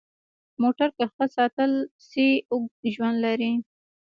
موټر که ښه ساتل شي، اوږد ژوند لري.